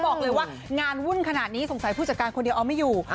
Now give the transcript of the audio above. บอกเลยว่างานวุ่นขนาดนี้สงสัยผู้จัดการคนเดียวเอาไม่อยู่